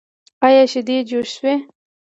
ایا شیدې جوشوئ؟